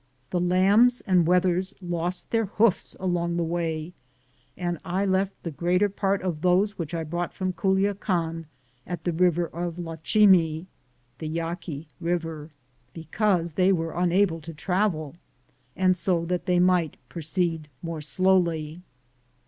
The lambs and wethers lost their hoofs along the way, and I left the greater part of those which I brought from Culiacan at the river of Lachimi, 1 because they were unable to travel, and so that they might pro ceed more slowly.